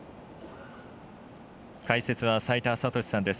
解説は齋田悟司さんです。